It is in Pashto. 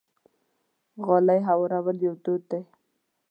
غالۍ هوارول یو دود دی.